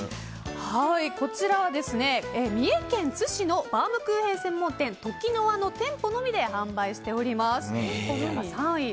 こちらは三重県津市のバウムクーヘン専門店トキノワの店舗のみで販売しております。